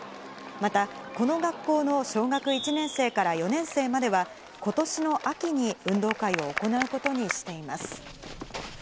また、この学校の小学１年生から４年生までは、ことしの秋に運動会を行うことにしています。